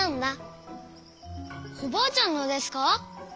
おばあちゃんのですか？